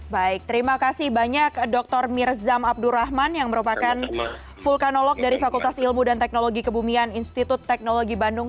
baik terima kasih banyak dr mirzam abdurrahman yang merupakan vulkanolog dari fakultas ilmu dan teknologi kebumian institut teknologi bandung